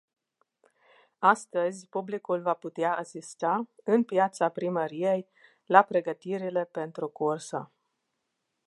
Astăzi, publicul va putea asista, în piața primăriei, la pregătirile pentru cursă.